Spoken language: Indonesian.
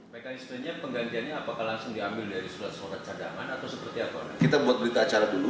mekanis tersebutnya penggantiannya apakah langsung diambil dari surat suara cadangan atau seperti apa